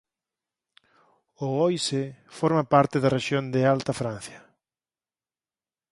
O Oise forma parte da rexión de Alta Francia.